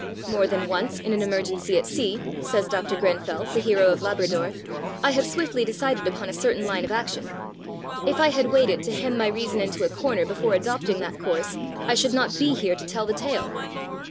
'More than once in an emergency at sea,' says Dr. Grenfell, the hero of Labrador, 'I have swiftly decided upon a certain line of action. If I had waited to hem my reason into a corner before adopting that course, I should not be here to tell the tale.'